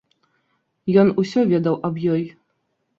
Ён усё ведаў аб ёй.